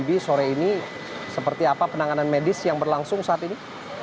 pagi sore ini seperti apa penanganan medis yang berlangsung saat ini